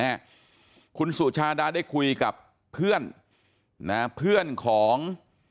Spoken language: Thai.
ฮะคุณสุชาดาได้คุยกับเพื่อนนะฮะเพื่อนของ